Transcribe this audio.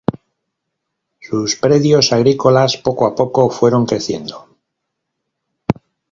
Sus predios agrícolas poco a poco fueron creciendo.